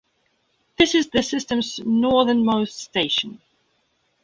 This is the system's northernmost station.